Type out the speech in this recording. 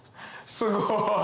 すごい！